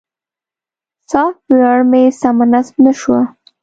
سافټویر مې سمه نصب نه شوه.